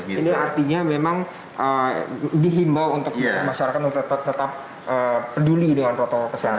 ini artinya memang dihimbau untuk masyarakat untuk tetap peduli dengan protokol kesehatan